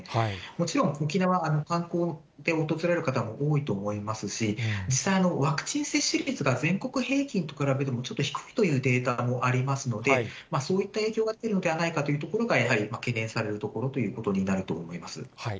もちろん沖縄、観光で訪れる方も多いと思いますし、実際、ワクチン接種率が全国平均と比べてもちょっと低いというデータもありますので、そういった影響があるのではないかというところが、やはり懸念されるところということになると思います。